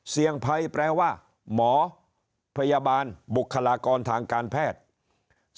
เสี่ยงภัยแปลว่าหมอพยาบาลบุคลากรทางการแพทย์